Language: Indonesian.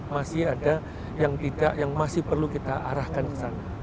masih ada yang masih perlu kita arahkan ke sana